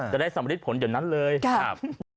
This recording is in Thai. จะได้สรรพนิษฐ์ผลอย่างนั้นเลยครับครับ